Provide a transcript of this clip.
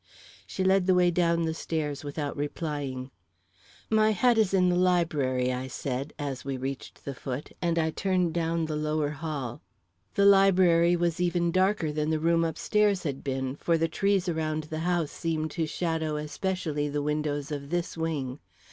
She led the way down the stairs without replying. "My hat is in the library," I said, as we reached the foot, and I turned down the lower hall. The library was even darker than the room upstairs had been, for the trees around the house seemed to shadow especially the windows of this wing.